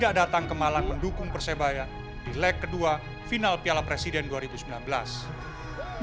kabupaten gersik ini tewas di kroyok sekelompok aremana pada return dua ribu tiga belas